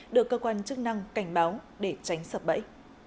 được cơ quan chức năng cảnh báo để tránh sập bẫy